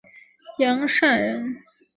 杨善人。